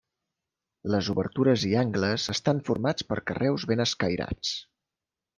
Les obertures i angles estan formats per carreus ben escairats.